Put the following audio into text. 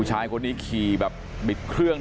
สุดท้ายเนี่ยขี่รถหน้าที่ก็ไม่ยอมหยุดนะฮะ